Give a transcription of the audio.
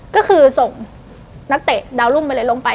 ก็คือส่งนักเตะดาวรุ่งไปเลยลงไป